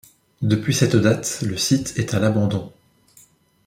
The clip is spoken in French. Depuis cette date le site est à l'abandon.